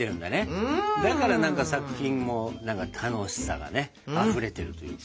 だから何か作品も楽しさがねあふれてるっていうか。